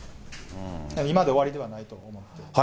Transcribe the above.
今で終わりではないと思っています。